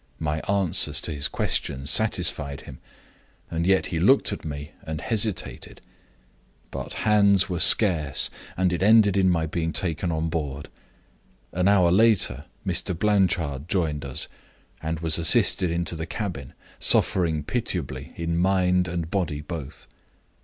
My answers to his questions satisfied him, and yet he looked at me and hesitated. But hands were scarce, and it ended in my being taken on board. An hour later Mr. Blanchard joined us, and was assisted into the cabin, suffering pitiably in mind and body both.